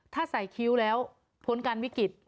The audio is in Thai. ถ้าใส่คิ้วแล้วพ้นการวิกฤต